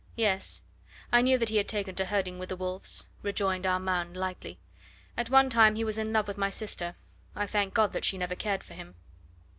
"Yes, I knew that he had taken to herding with the wolves," rejoined Armand lightly. "At one time he was in love with my sister. I thank God that she never cared for him."